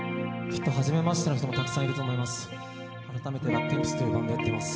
きっとはじめましての人もたくさんいると思います。